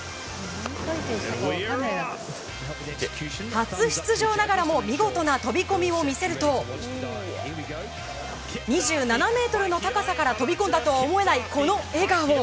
初出場ながらも見事な飛込を見せると２７ｍの高さから飛び込んだとは思えないこの笑顔。